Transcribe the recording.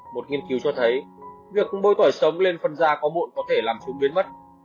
một nghiên cứu cho thấy việc bôi tỏi sống lên phần da có mụn có thể làm chúng biến mất